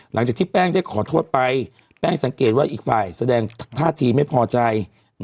หลังจากที่แป้งได้ขอโทษไปแป้งสังเกตว่าอีกฝ่ายแสดงท่าทีไม่พอใจ